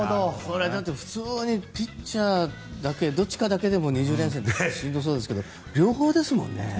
だって普通にピッチャーだけどっちかだけでも２０連戦ってしんどそうですが両方ですもんね。